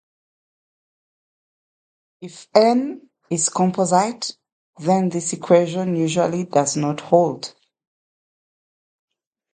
If "n" is "composite", then this equation usually does "not" hold.